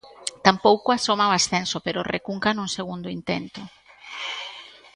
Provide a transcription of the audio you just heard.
Tampouco asoma o ascenso pero recunca nun segundo intento.